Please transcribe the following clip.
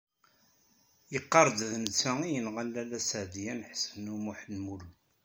Iqarr-d d netta ay yenɣan Lalla Seɛdiya n Ḥsen u Muḥ Lmlud.